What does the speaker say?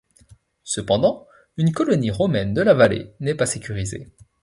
Cependant, une colonie romaine de la vallée n'est pas sécurisée.